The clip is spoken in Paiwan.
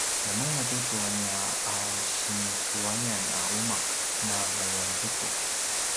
namaya tucu a nia a sinicuayan a umaq na payuanzuku